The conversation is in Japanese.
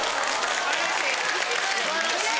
素晴らしい！